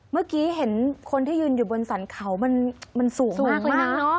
เมื่อกี้เห็นคนที่ยืนอยู่บนสรรเขามันสูงมาก